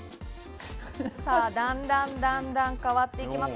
だんだん、だんだん変わっていきます。